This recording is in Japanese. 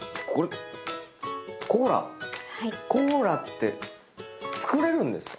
コーラって作れるんですか？